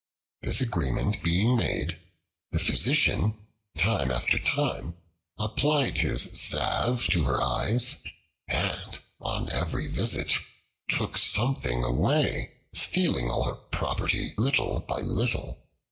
This agreement being made, the Physician, time after time, applied his salve to her eyes, and on every visit took something away, stealing all her property little by little.